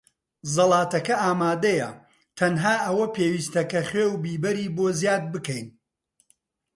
زەڵاتەکە ئامادەیە. تەنها ئەوە پێویستە کە خوێ و بیبەری بۆ زیاد بکەین.